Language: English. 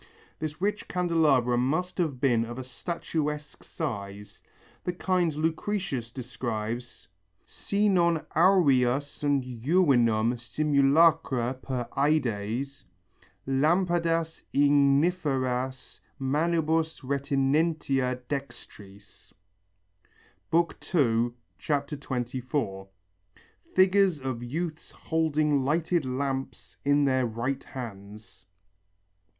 This rich candelabra must have been of a statuesque style, the kind Lucretius describes: Si non aurea sunt juvenum simulacra per ædes Lampadas igniferas manibus retinentia dextris (II, 24). (Figures of youths holding lighted lamps in their right hands.)